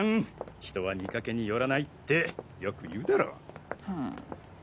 人は見かけによらないってよく言うだろ。